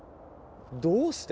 どうして？